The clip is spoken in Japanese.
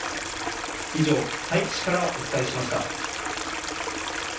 以上、佐伯市からお伝えしました。